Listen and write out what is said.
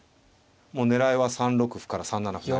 もう狙いは３六歩から３七歩成。